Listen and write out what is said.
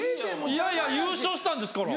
いやいや優勝したんですから。